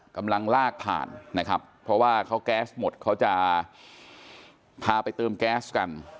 กำลังลากผ่านนะครับเพราะว่าเขาแก๊สหมดเขาจะพาไปเติมแก๊สกัน